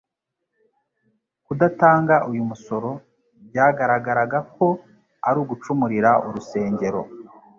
Kudatanga uyu musoro byagaragaraga ko ari ugucumurira urusengero,